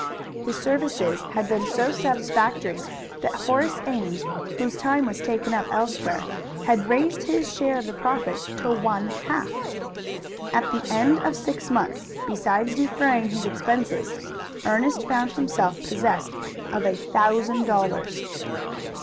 His services had been so satisfactory that Horace Ames, whose time was taken up elsewhere, had raised his share of the profits to one half. At the end of six months, besides defraying his expenses, Ernest found himself possessed of a thousand dollars.